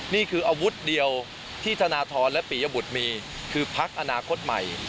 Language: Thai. นี่คืออาวุธเดียวที่ธนทรและปียบุตรมีคือพักอนาคตใหม่